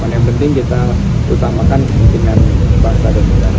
yang penting kita utamakan pimpinan bahasa dan negara